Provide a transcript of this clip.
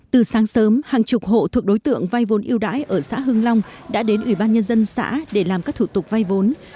từ sáng sớm hàng chục hộ thuộc đối tượng vay vốn yêu đãi ở xã hưng long đã đến ủy ban nhân dân xã để làm các thủ tục vay vốn